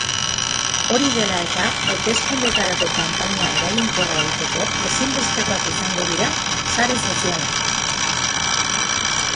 Hori dela eta, hauteskundeetarako kanpaina eraginkorra egiteko ezinbestekoak izango dira sare sozialak.